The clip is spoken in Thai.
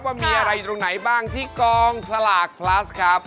ว่ามีอะไรอยู่ตรงไหนบ้างที่กองสลากพลัสครับ